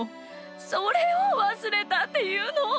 それをわすれたっていうの！